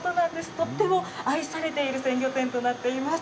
とっても愛されている鮮魚店となっています。